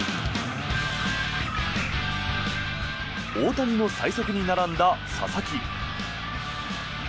大谷の最速に並んだ佐々木。